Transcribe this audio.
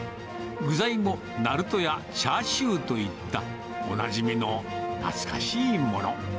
具材もなるとやチャーシューといった、おなじみの懐かしいもの。